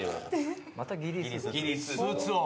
スーツを。